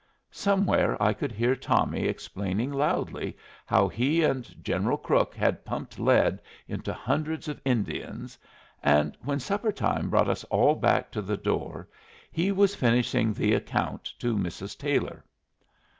Somewhere I could hear Tommy explaining loudly how he and General Crook had pumped lead into hundreds of Indians; and when supper time brought us all back to the door he was finishing the account to Mrs. Taylor.